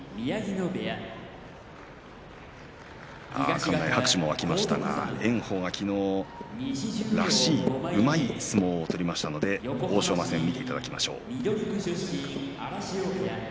館内、拍手も沸きましたが炎鵬は昨日らしい、うまい相撲を取りましたので欧勝馬戦を見ていただきましょう。